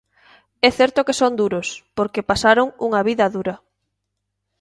É certo que son duros, porque pasaron unha vida dura.